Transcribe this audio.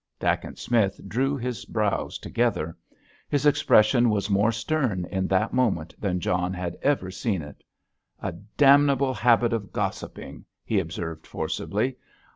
Dacent Smith drew his brows together. His expression was more stern in that moment than John had ever seen it. "A damnable habit of gossiping," he observed forcibly.